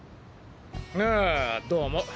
あどうも。